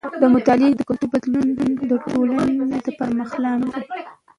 د مطالعې د کلتور بدلون د ټولنې د پرمختګ لامل دی.